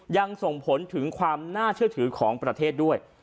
ยังส่งผลถึงความน่าเชื่อถือของประเทศด้วย